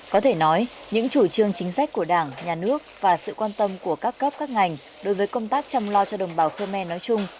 có thể nói những chủ trương chính sách của đảng nhà nước và sự quan tâm của các cấp các ngành đối với công tác chăm lo cho đồng bào khơ me nói chung